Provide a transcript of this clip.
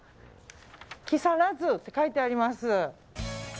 木更津って書いてあります。